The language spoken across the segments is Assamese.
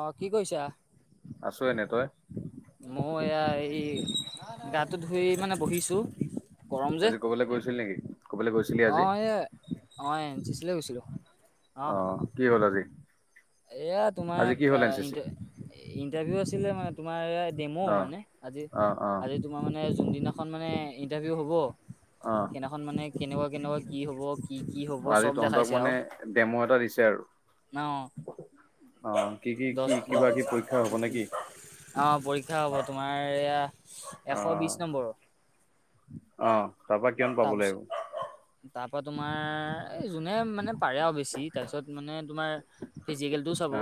অ', কি কৰিছা? আছো, এনে তই? মইও এয়া ই গাটো ধুই মানে বহিছো। গৰম যে আজি কৰবালৈ গৈছিল নেকি, ক'ৰবালৈ গৈছিলি অ আজি? এ অ', এন চি চি লৈ গৈছিলো। অ', কি হ'ল আজি? এয়া তোমাৰ আজি কি কা হ'ল এন চি চি ইণ্টাৰভিউ আছিলে মানে, তোমাৰ ডেমো অ মানে, আজি, অ অ আজি তোমাৰ মানে যোনদিনা খন মানে ইণ্টাৰভিউ হ'ব, অ সেইদিনাখন মানে কেনেকুৱা, কেনেকুৱা কি হ'ব কি হ'ব আজি চব তহঁতক দেখাইছে মানে ডেমো এটা দিছে আৰু। অ', অ কি কি কি দছ কিবা কি পৰীক্ষা হ'ব নেকি অ', পৰীক্ষা হ'ব তোমাৰ এয়া অ এশ বিশ নম্বৰৰ, অ তাৰপা কিমান পাব লাগিব তাৰপিছত তাৰপৰা, তোমাৰ এই যোনে মানে পাৰে আৰু বেছি, তাৰপিছত মানে তোমাৰ ফিজিকেলটোও চাব, অ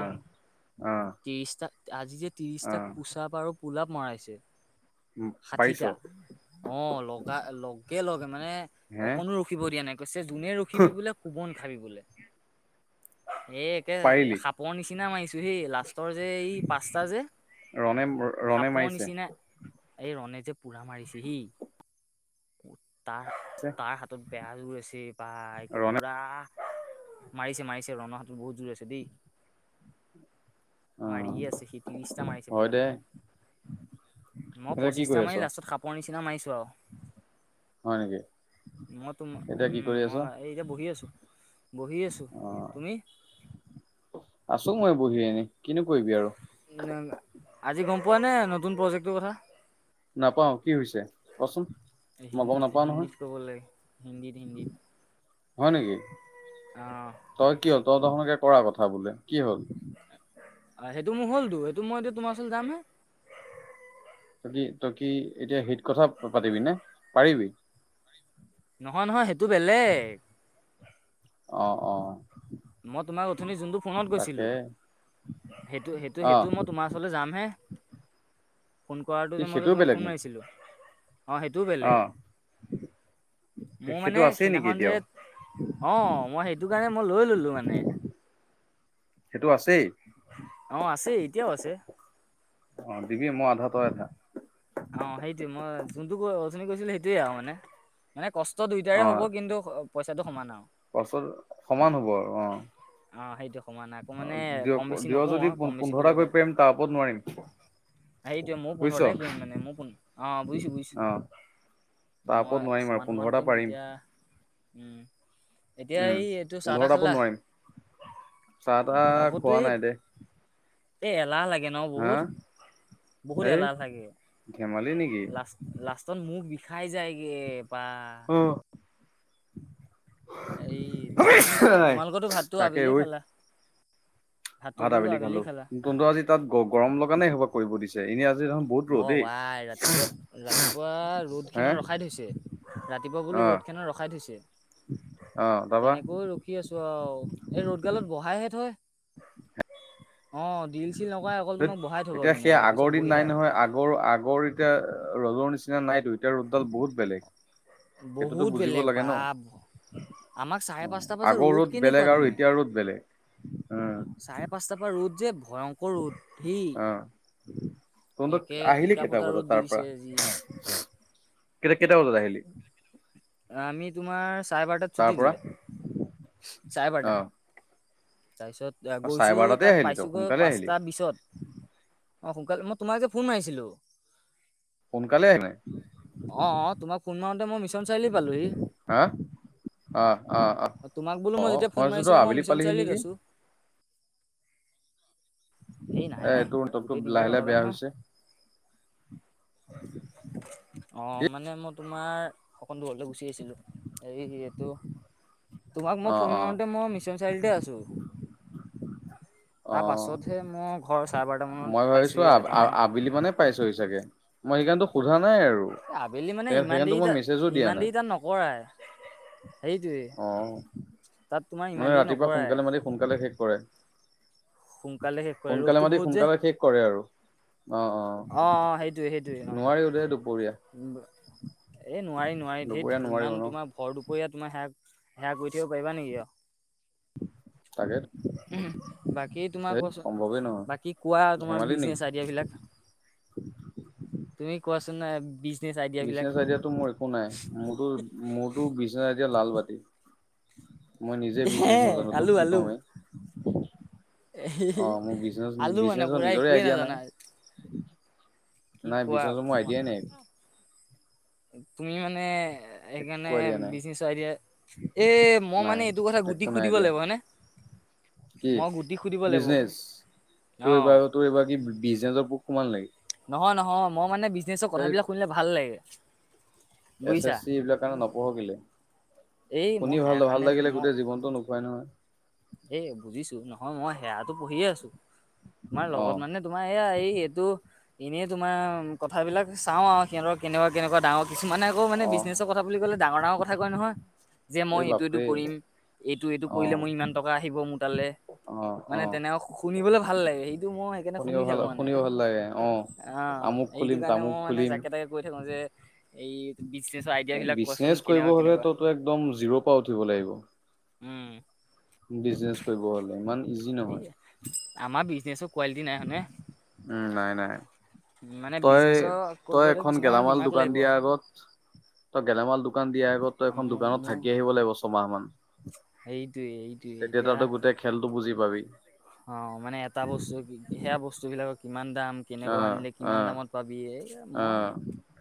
অ ত্ৰিশটা আজি যে অ ত্ৰিশটা পোচাব আৰু পোলাপ মৰাইছে পাৰিছ ষাঠিটা। অ', লগা লগে, লগে মানে হে অকনো ৰখিব দিয়া নাই, কৈছে যোনে ৰখিবি হুহ, বোলে কোবন খাবি বোলে, এ তে পাৰিলি সাপৰ নিচিনা মাৰিছো হেই, লাষ্টৰ যে এই পাঁচটা যে মানে ৰনে সাপৰ মাৰিছে। নিচিনা এই ৰনে যে পোৰা মাৰিছে হে, তাৰ পিছে? তাৰ হাতত বেয়া জোৰ আছে, বা একে ৰনে পুৰা মাৰিছে, মাৰিছে ৰনৰ হাতত বহুত জোৰ আছে। দেই অ মাৰিয়ে আছে, সি ত্ৰিশটা মাৰিছে হয় পুৰা। দে মই এতিয়া কি পঁচিছটা কৰি আছ মাৰি, লাষ্টত সাপৰ নিচিনা মাৰিছোঁ হয় নেকি আৰু। মই তোম এতিয়া কি কৰি আছ মই এই বহি আছোঁ, বহি আছোঁ, অ তুমি? আছো মই বহি এনে, কিনো কৰিবি আৰু। আজি গম পোৱা নে, নতুন প্ৰজেক্টটোৰ কথা। নাপাও কি হৈছে, কচোন। মই গম নাপাও নহয় হিন্দীত ক'ব লাগে, হিন্দীত, হিন্দীত। হয় নেকি, তই কিয়, তই দাখোন একে কৰা কথা বোলে কি হ'ল? সেইটো মোৰ হ'লতো, সেইটো মই এতিয়া তোমাৰ ওচৰত যাম হে। কি তই কি, এতিয়া হেৰিট কথা পাতিবি নে পাৰিবি। নহয়, নহয় সেইটো বেলেগ। অ', অ'। মই তোমাক ওথনি যোনটো ফোনত তাকে কৈছিলোঁ, সেইটো, সেইটো, অ সেইটো মই তোমাৰ চলে যামহে, ফোন কৰাটো কি যে মই যে সেইটোও তোমাক বেলেগ ফোন নেকি মাৰিছিলোঁ, অ', সেইট টো অ বেলেগ। মোৰ সেইটো মানে আছেই নেকি সিদিনাখন এতিয়াও যে, অ', মই সেইটো কাৰণে মই লৈ ল'লো। মানে। সেইটো আছেই। অ', আছে, এতিয়াও আছে। অ', দিবি মই আধা তই আধা। অ', সেইটোৱে মই যোনটো ক, অথনি কৈছিলোঁ সেইটোয়ে আৰু মানে। মানে কষ্ট দুইটাৰে অ হ'ব কিন্তু পইচাটো সমান আৰু। পাছত সমান হ'ব আৰু অ অ', সেইটো সমানে আকৌ মানে দিয় কম বেছি দিয় নকৰোঁ যদি আৰু কম বেছি পোন্ধৰটা কৰিলে কৰিব বেয়া। পাৰিম তাৰ ওপৰত নোৱাৰিম সেইটোয়ে ময়ো বুজিছ পোন্ধৰটায়ে কৰিম মানে মই পোন, অ', বুজিছোঁ, বুজিছোঁ। অ তাৰ ওপৰত মই নোৱাৰিম আৰু সমান সমান পোন্ধৰটা কৰিম, পাৰিম তেতিয়া উম। এতিয়া উম এই এইটো চাহ তাহ পোন্ধৰটা ওপৰত খালা? নোৱাৰিম চাহ তাহ পোন্ধৰটাৰ ওপৰততো খোৱা এই নাই দে এ এলাহ লাগে ন হা বহুত? বহুত এই এলাহ লাগে। ধেমালি নিক লাষ্ট, লাষ্টত মুখ বিষাই যায়গে বাহ। অ'। এই এইটো, তোমালোকৰটো ভাতটো তাকে আবেলিয়ে ঐ খালা? ভাতটো ভাত বোলো আবেলি খালোঁ, খালা কিন্তু আজি তাত গ গৰম লগা নাই সেইসবা কৰিব দিছে, ই আজি দেখোন বহুত ৰ'দ দেই। উও আই ৰাতিপুৱা, ৰাতিপুৱা ৰ'দ হে খনত ৰখাই থৈছে। ৰাতিপুৱা বোলো অ ৰ'দ খেনত ৰখাই থৈছে, অ তাৰপা তেনেকৈ ৰখি আছোঁ আও, এই ৰ'দগালত বহাইহে থয়, অ'। ৰীল চিল নকৰে, অকল ধেত তোমাক বহাই থ'ব ধুনীয়াকে, কৈছে বহি থাক। মোৰ আগৰ এতিয়া লগৰ নিচিনা নাইতো। এতিয়া ৰ'দডাল বহুত বেলেগ, সেইটোতো বহুত বুজিব বেলেগ লাগে ন? বাপ। আমাক চাৰে পাঁচটাৰ পৰা যে আগৰ ৰ'দ বেলেগ কেনেকুৱা আৰু তুমি এতিয়াৰ ৰ'দ বেলেগ। উম চাৰে পাঁচটাৰ পৰা ৰ'দ যে ভয়ংক কৰ ৰ'দ সেই, অ তহঁতৰ একে টিকা ফটা ৰ'দ দি দিছে আজি। কাইলে কেইটা বজাত আহিলি? আমি তোমাৰ চাৰে বাৰটাত তাৰ ছুটি পৰা? দিলে, চাৰে অ বাৰটা। তাৰপিছত চাৰে গৈছো বাৰটাতে তাত আহিলি তই পাইছোগৈ সোনকালে আহিলি। পাঁচটা বিশত। অ', সোনকালে মই তোমাক যে ফোন মাৰিছিলোঁ। সোনকালে আহে নাই। অ', অ' তোমাক ফোন মাৰোঁতে মই মিছন চাৰিআলি পালোঁহি। হা? আহ আহ আহ তোমাক বোলো অ মই যেতিয়া ফোন ভাবিছো তই মাৰিছিলোঁ, মই আবেলি মিছন পালিহি চাৰিআলিত নেকি আছোঁ। এই নাই এ নাই, তোৰ নেটৱৰ্কটো গোটেই দিনডাল লাহে লাহে নলগাই বেয়া নহয়। হৈছে অ', মানে মই তোমাৰ অকণ দূৰলে গুচি আহিছিলোঁ। হেৰি যিহেতু তোমাক মই অ ফোন অ মাৰোঁনতে মই মিছন চাৰিআলিতে আছোঁ, অ তাৰ পাছত মই ঘৰ চাৰে বাৰটা মানত পাইছোঁহি, এটা মানত। বেলি মানে পাইছোঁহি চাগে, মই সেইকাৰনে তোক সোধানাই আৰু। আ আবেলি মানে সেই- ইমান সেইকাৰণেতো দেৰি মই মেছেজো তাত দিয়া ইমান নাই দেৰি তাত নকৰাই। সেইটোৱে অ, তাত তোমাৰ ইমান মানে দেৰি ৰাতিপুৱা, নকৰাই সোনকালে মাতি, সোনকালে শেষ কৰে। সোনকালে শেষ কৰে সোনকালে ৰ'দটো মাতি, বহুত যে সোনকালে শেষ কৰে আৰু। অ, অ, নোৱাৰিও দেই, দুপৰীয়া। অ এ, নোৱাৰি, নোৱাৰি ধেত দুপৰীয়া ইমান নোৱাৰিও ন তোমাৰ ভৰ, দুপৰীয়া তোমাৰ সেৱা, সেৱা, কৰি থাকিব পাৰিবা নেকি আৰু। [inaudible] তাকে বাকী তোমাৰ ধেই কোৱাচোন, সম্ভৱেই নহয় বাকী কোৱা তোমাৰ ধেমালি নেকি বিজনেচ আইডিয়া বিলাক। তুমি কোৱাচোন, এই বিজ বিজনেছ আইডিয়াটো মোৰ একো নাই, মোৰতো, মোৰতো বিজনেচ আইডিয়া লাল-বাতি। মই নিজে হে বিজনেজ নাজানো, তোক কি কম এই, এ, হে, হে, মোৰ বিজনেছ আলু মানে বিজনেছৰ পুৰা, নিজৰে একোৱে আইডিয়া নাই নাজানা। কি নাই, কোৱা বিজনেচত মোৰ আইদিয়াই নাই। তুমি, মানে একো সেইকাৰণে আইডিয়া নাই বিজনেচৰ আইদিয়া, এই, মই নাই মানে এইটো কথা একো গুটিক নাই সুধিব আইডিয়া লাগিব হয়নে? কি মই গুটিক সুধিব লাগিব, বিজনেচ তোৰ অ, এইবাৰ তোৰ এইবাৰ কি, বিজনেছৰ পোক সুমাল নেকি? নহয়, নহয় মই মানে বিজনেচৰ ধেত কথাবিলাক শুনিলে ভাল লাগে। এছ, এছ, বুজিছা চি, এইবিলাক কাৰণে নপঢ় কেলে? এই মই শুনি সেয়া ভাল ন, ভাল কাৰণে লাগিলে, গোটেই জীৱনতটো নোখোৱাই নহয়। এ, বুজিছো নহয় মই সেৱাটো পঢ়িয়ে আছো, তোমাৰ অ লগত মানে তোমাৰ এইয়া, এই এইটো। এনেই তোমাৰ, কথাবিলাক চাওঁ আৰু সিহঁতৰ কেনেকুৱা, কেনেকুৱা ডাঙৰ কিছুমানে আকৌ মানে অ বিজনেছৰ কথা বুলি ক'লে ডাঙৰ, ডাঙৰ কথা কয় নহয়। যে এই মই এইটো, এইটো বাপৰে কৰিম, এইটো, এইটো অ কৰিলে মই ইমান টকা আহিব মোৰ টালৈ। অ অ মানে তেনেকা শুনিবলৈ ভাল লাগে, সেইটো মই সেইকাৰণে শুনিব শুনি ভাল থাকো মানে। শুনিব ভাল লাগে অ, আমুক এইটো খুলিম কাৰণে তামুক মই মানে, খুলিম যাকে তাকে কৈ থাকো যে এই, বিজনেচৰ আইডিয়া এ বিলাক, বিজনেছ কোৱাচোন কৰিব কেনেকুৱা, হলে কেনেকুৱা। তইতো একদম জিৰ' পৰা উঠিব উম, বিজনেচ কৰিব হ'লে, ইমান ইজি নহয় আমাৰ বিজনেচৰ কোৱালিটি, নাই হয়নে? উম, নাই, নাই, মানে তই, বিজনেচৰ তই কৰিবলৈ এখন কিছুমানৰ গেলামাল দিমাগ দোকান লাগিব দিয়াৰ আগত। তই গেলামাল দোকান দিয়াৰ আগত ত‌ই, এখন দোকানত থাকি আহিব লাগিব ছমাহ মান। সেইটোয়ে, এইটোয়ে এতিয়া ৰাখ খেলতো বুজি পাবি। অ, মানে এটা বস্তু, সেয়া বস্তু বিলাকক কিমান দাম। অ কেনেকুৱা আনিলে অ কিমান দামত পাবি, এই অ মই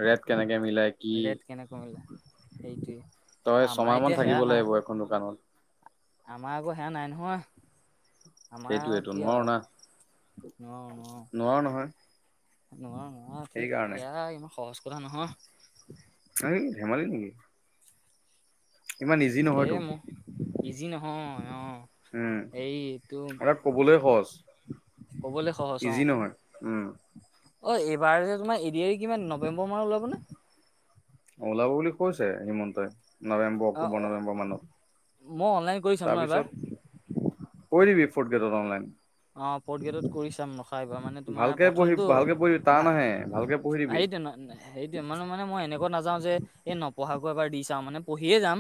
ৰেট কেনেকে মিলাই কি ৰেট, কেনেকৈ মিলে অই সেইটোৱে, আমাৰ এতিয়া সেয়া নাই। খন, দোকানত আমাৰ আকৌ, সেয়া নাই নহয়। আমাৰ আৰু সেইটোয়েতো কি নোৱাৰো আৰু, না নোৱাৰোঁ, নোৱাৰো নহয় নোৱাৰোঁ। নোৱাৰোঁ, নোৱাৰোঁ ঠিক সেইকাৰণে এয়া, ইমান সহজ কথা নহয়। হেই, ধেমালি নেকি? ইমান ইজি তাকেই নহয়তো মোৰ ইজি নহয় অ, উম এইটো আৰু ক'বলৈ সহজ, কবলৈ সহজ অ ইজি নহয় উম, অ, এইবাৰ যে তোমাৰ এদিআৰি কিমান নৱেম্বৰ মানত ওলাব নে। অঁ ওলাব বুলি কৈছে হিমন্তই। নৱেম্বৰ অ অক্টোবৰ নৱেম্বৰ মই অনলাইন কৰি মানত। চাম ন এবাৰ তাৰপিছত কৰি দিবি ফৰ্ট গ্ৰেডত অনলাইন। অঁ, ফৰ্ট গেটত কৰি চাম ৰখা এইবাৰ মানে তোমাৰ প্ৰথমটো ভা ভালেকে পঢ়ি থাকিবি। সেই সেইটো মানে মানে মই এনেকুৱা নাযাওঁ যে এই নপঢ়াকৈ এবাৰ দি চাও মানে পঢ়িয়ে যাম।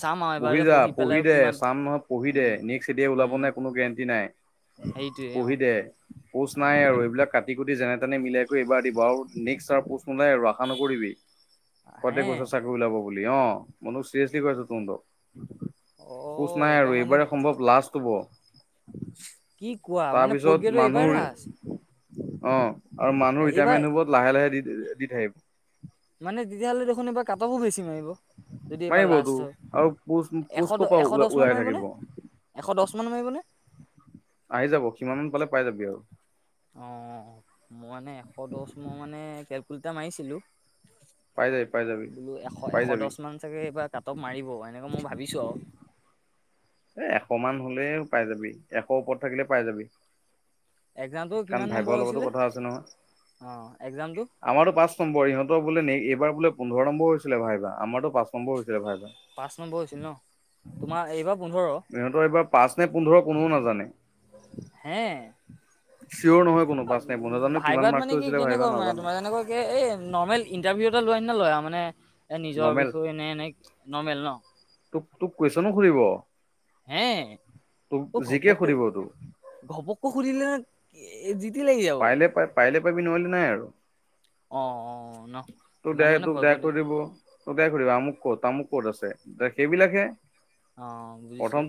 চাম আৰু এবাৰ পঢ়ি যে যা পঢ়ি পেলাইও দে কিমান চাম নহয় পঢ়ি দে উম নেক্সট এদিআৰৰি ওলাব নাই কোনো গেৰেণ্টি নাই। সেইটোৱেই অঁ। পঢ়ি দে। পোষ্ট নাই আৰু এইবিলাক কাটি কুটি যেনে তেনে মিলাই কৰি এইবাৰ দিব আৰু, নেক্সট আৰু পষ্ট নোলাই আৰু আশা নকৰিবি। হে প্ৰত্যেক বছৰ চাকৰি ওলাব বুলি অঁ ম‌ইনো চিৰিএছলি কৰিছো তহঁতক। অ পোষ্ট নাই আৰু এইবাৰ সম্ভৱ লাষ্ট হ'ব। কি কোৱা মানে ফৰ্থ তাৰপিছত গ্ৰেডৰ এইবাৰ মানুহৰ লাষ্ট অঁ, আৰু মানুহ এইবাৰ ৰিটায়াৰমেণ্ট হব লাহে লাহে দি দি থাকে। মানে তেতিয়াহ'লে দেখোন এইবাৰ কাটঅফও বেছি মাৰিব। যদি এইবাৰ মাৰিবতো লাষ্ট হয়, আৰু পোষ্ট এশ পোষ্ট ক'ৰ দ পৰা এশ দশ মান ওলাই থাকিব মাৰিবনে এশ দশ মান মাৰিবনে? আহি যাব কিমান মান পালে পাই যাবি আৰু। অঁ, মই মানে এশ দশ মই মানে কেলকুলেটাৰ মাৰিছিলো। পাই যাবি পাই যাবি। বোলো এশ পাই এশ যাবি দশ মান চাগে এইবাৰ কাট অফ মাৰিব, এনেকে মই ভাবিছো আৰু। এ এশ মান হলে পাই যাবি এশ ওপৰত থাকিলে পাই যাবি। একজামটো কাৰণ কিমান ভাইভৰ নম্বৰ লগতো হৈছিলে কথা অঁ একজামটো। আমাৰ ত পাঁচ নম্বৰ ইহঁতৰ বোলে এইবাৰ বোলে পোন্ধৰ নম্বৰ হৈছিলে ভাইবা, আমাৰ ত পাঁচ নম্বৰ হৈছিলে ভাইবা। পাঁচ নম্বৰ হৈছিল ন, তোমাৰ এইবাৰ পোন্ধৰ। সিহঁতৰ এইবাৰ পাঁচ নে পোন্ধৰ কোনেও নাজানে। হে চিঞৰ নহয়। কোনো পাঁচ নে পোন্ধৰ জানো কিমান ভাইবাত মানে মাৰ্কটো কি হৈছিলে ভাইভা কেনেকাকুৱা মানে নাজানো তোমাৰ যেনেকুৱা এই নৰ্মেল ইণ্টাৰভিউ এটা লোৱাৰ নিচিনা লই আৰু মানে এ নিজৰ নৰ্মেল বিষয়ে এনেই এনেই নৰ্মেল ন। তোক তোক কুৱেশচনো শুধিব হে তোক জিকে সুধিব তোক। ঘপকে সুধিলে মানে জিতি লাগি যাব। পাৰিলে পাই পাৰিলে পাৰিবি নোৱাৰিলে নাই আৰু, অ' অ' ন তোক ইমান দে মানে তোক ভয় ডাইৰেক্ট কৰিলে কৰি দিব। তোক ডাইৰেক্ট শুধিব আমুক ক'ত তামুক ক'ত আছে ত সেইবিলাক হে। অঁ বুজিছো।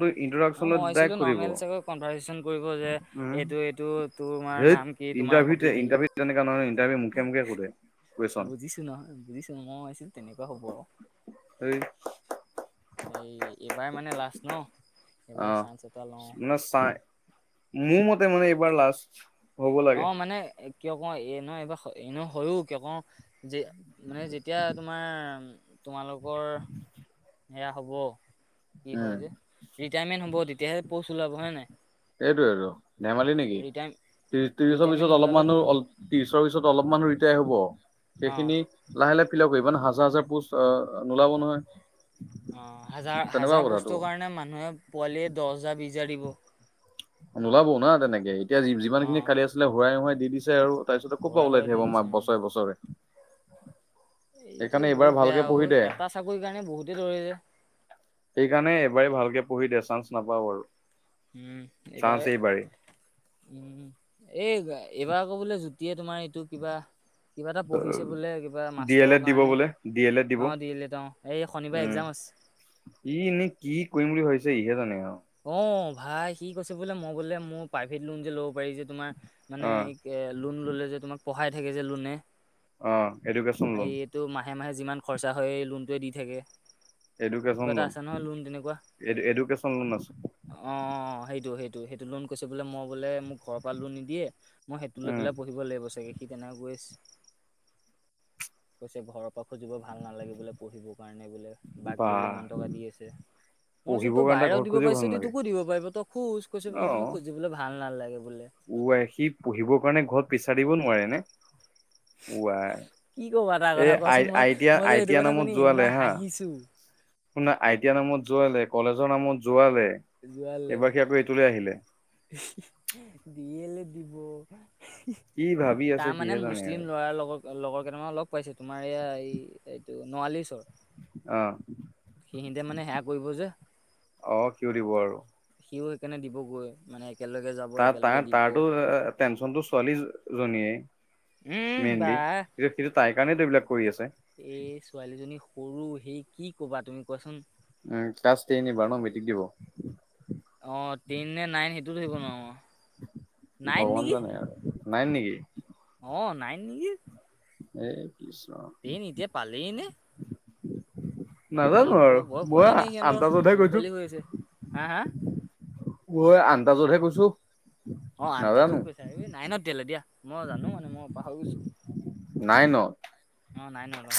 অঁ, মই ভাবিছিলো ডাইৰেক্ট সুধিব নৰ্মেল চাগৈ কনভাৰ্চচন কৰিব যে উম এইটো এইটো তোমাৰ ধেইত নাম কি তোমাৰ হবি ইণ্টাৰভিউতে কি ইটাৰভিউ তেনেকোৱা নহয় ইণ্টাৰভিউ মুখে মুখে শুধে। বুজিছো নহয় বুজিছো মই ভাবিছিলো তেনেকুৱা হ'ব আওঁ। এই এই এইবাৰ মানে লাষ্ট ন। এইবাৰ অঁ চান্স এটা লওঁ মানে চাই মোৰ মতে মানে এইবাৰ লাষ্ট। হ'ব লাগে। অঁ মানে কিয় ক‌ও এ নহ এইবাৰ এনে হয়ো কিয় ক যে মানে যেতিয়া তোমাৰ তোমালোকৰ সেয়া হ'ব কি হয় উম যে ৰিটায়াৰমেণ্ট হ'ব তেতিয়াহে প'ষ্ট ওলাব হয়‌ নে নাই। এইটোয়টো ধেমালি নেকি ৰিটায় ত্ৰিশ ত্ৰিশৰ ৰিটায়াৰমেন্ট পিছত অলপ নোলালে ক'ত মানুহ প'ষ্ট অল ত্ৰিছৰ পিছত অলপমান ৰিটায়াৰ হব, অ সেইখিনি লাহে লাহে ফিল কৰিব ন হাজাৰ হাজাৰ পষ্ট নোলাব নহয়। অ হাজাৰ তেনেকুৱা হাজাৰ কথাটো। পষ্টৰ কাৰণে মানুহে পোৱালিয়ে দহ হাজাৰ বিছ হাজাৰ দিব। নোলাব না তেনেকে এতিয়া যিমান অ খিনি খালি আছিলে হোৰাই নোহোৰাই দি দিছে আৰু তাৰপিছতে ক'ৰ উৰা পৰা সুৰা ওলাই দি থাকিব দিছে মা উম। বছৰে বছৰে এইটো সেইকাৰণে এইবাৰ বহুত বেয়া ভালকে আৰু পঢ়ি দে এটা চাকৰি কাৰণে বহুতে ধৰিলে সেইকাৰণে এবাৰেই ভালকে পঢ়ি দে চান্স নাপাওঁ আৰু উম এইবাৰ উম এই এইবাৰ আকৌ বোলে জুতিয়ে তোমাৰ এইটো কিবা কিবা এটা পঢ়িছে বোলে কিবা ডি এল মাষ্টৰৰ এড দিব কাৰণে বোলে ডি এল এড দিব অ', দিল্লীত অ', এই শনিবাৰে উম একজাম আছে। [unintelligible] ই এনেই কি কৰিম বুলি ভাবিছে ইহে জানে আৰু অ ভাই সি কৈছে বোলে মই গলে মোৰ প্ৰাইভেট লোন যে ল'ব পাৰি যে তোমাৰ মানে অ এ লোন ললে যে তোমাক পঢ়াই থাকে যে লোনে অ এডুকেশচন লোন তো মাহে মাহে যিমান খৰচা হয় লোনটোৱে দি থাকে কিবা এটা আছে নহয় লোন তেনেকুৱা এডুকেশ্যন লোন আছে। অ সেইটো সেইটো সেইটো লোন কৈছে বোলে মই বোলে মোক ঘৰৰ পৰা লোন নিদিয়ে মই সেইটো লৈ উম পেলাই পঢ়িব লাগিব চাগে সি তেনেকে কৈ আছে। কৈছে ঘৰৰ পৰা খুজিব ভাল নালাগে বোলে পঢ়িবৰ কাৰণে বোলে বাক বা বোলে ইমান টকা দি আছে মইছো পঢ়িবৰ তোৰ কাৰণে এটা বাইৰক ঘৰত দিব খুজিও পাৰিছে ভাল যদি নালাগে তোকো দিব পাৰিব তই খোজ কৈছে বোলে মোৰ খুজিবলে ভাল নালাগে বোলে ওৱাই সি পঢ়িবৰ কাৰণে ঘৰত পিছাৰ দিব নোৱাৰে নে কি ক'বা তাৰ ওৱাই কথা এই কচোন আই মই আই টি মই যে আই সেইটো টিয়াৰ কথা শুনি নামত ইমান যোৱালে হা হাঁহিছো শুনা আই টি আইৰ নামত যোৱালে কলেজৰ নামত যোৱালে এইবাৰ সি আকৌ এইটোলে আহিলে দিয়ে নে দিব? কি ভাবি আছে তাৰ মানে সিহে জানে আৰু মুছলিম লৰা লগত লগৰ কেইটামান লগ পাইছেো তোমাৰ এয়া এই এইটো নোৱালীৰ ওচৰৰ আহ মানে সেয়া কৰিব যে অ কিয় দিব আৰু সিও সেইকাৰণে দিবগৈ মানে একেলগে যাব। তাৰ একেলগে তাৰ দিব। তাৰো টেনচনটো ছোৱালি জনীয়ে উম বা। মেইনলি সিটো তাইৰ কাৰণেতো এইবিলাক কৰি আছে এ ছোৱালীজনী সৰু সি কি কবা তুমি কোৱাচোন উ ক্লাছ টেইন এইবাৰ ন মেট্ৰিক দিব। অ টেইন নে নাইন সেইটোত থৰিব নোৱাৰো নাইন ভগৱান নেকি জানে আৰু নাইন নেকি? অ নাইন নেকি এই টেইন এতিয়া পালেই নে টেইন নাজানো আৰু পোৱা বয়স মই হোৱাই নাই সিহঁতৰ আন্তাজতহে সৰু কৈছো। পোৱালি হৈ আছে। হা হা আন্তাজতহে কৈছো। অ নাজানো আনন্তাজত কৈছা এই নাইনত তেয়লে দিয়া মই জানো মানে মই পাহৰি গৈছিলো। নাইনত অ নাইনত অ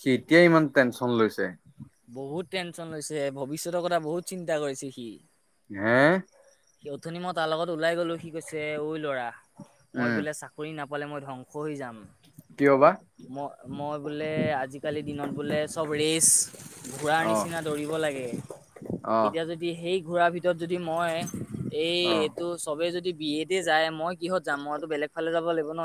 সি এতিয়াই ইমান টেনচন লৈছে বহুত টেনশচন লৈছে, ভৱিষ্যতৰ কথা বহুত চিন্তা কৰিছে সি। হে। অথনি মই তাৰ লগত ওলাই গলো সি কৈছে, ঐ ল'ৰা মই উম বোলে চাক কৰি নাপালে মই ধ্বংস হৈ যাম। কিয় বা ম-মই বোলে আজিকালি দিনত বোলে চব ৰেইচ ঘোৰাৰ অ নিচিনা দৌৰিব লাগে, অ এতিয়া যদি সেই ঘোৰা ভিত যদি মই, এই অ। এইটো চবেই যদি বি এড যায় মই কিহত যাম, মইতো বেলেগ ফালে যাব লাগিব ন।